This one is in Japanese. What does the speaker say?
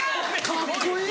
カッコいい！